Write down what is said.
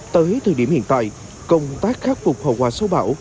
tới thời điểm hiện tại công tác khắc phục hậu quả sâu bão